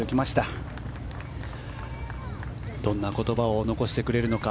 どんな言葉を残してくれるか。